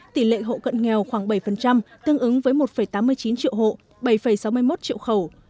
tỷ lệ hộ cận nghèo khoảng bảy tương ứng với một tám mươi chín triệu hộ bảy sáu mươi một triệu khẩu